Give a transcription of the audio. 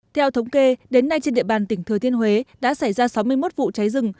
theo thống kê đến nay trên địa bàn tỉnh thừa thiên huế đã xảy ra sáu mươi một vụ cháy rừng